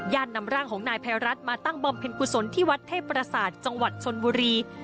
ญาตินำร่างของนายไพรัฐมาตั้งบอมเพ็ญกุศลที่วัดเทพภาษาจังหวัดชนบุรี